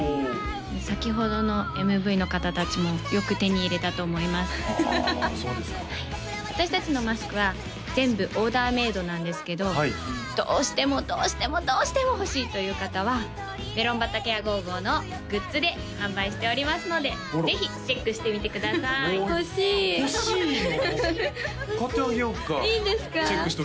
先ほどのＭＶの方達もよく手に入れたと思いますあそうですかはい私達のマスクは全部オーダーメードなんですけどどうしてもどうしてもどうしても欲しいという方はめろん畑ａｇｏｇｏのグッズで販売しておりますのでぜひチェックしてみてください欲しい欲しいの！？